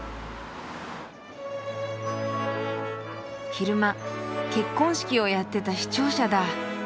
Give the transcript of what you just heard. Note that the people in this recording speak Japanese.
昼間結婚式をやってた市庁舎だ。